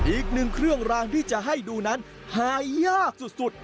อีกหนึ่งเครื่องรางที่จะให้ดูนั้นหายากสุด